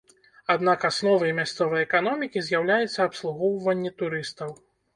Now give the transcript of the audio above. Аднак асновай мясцовай эканомікі з'яўляецца абслугоўванне турыстаў.